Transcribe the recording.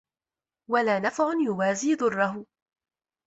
وَلَا نَفْعٌ يُوَازِي ضُرَّهُ